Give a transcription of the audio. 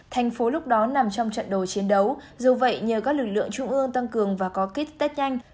thành phố lúc đó nằm trong trận đồ chiến đấu dù vậy nhờ các lực lượng trung ương tăng cường và có kích tết nhanh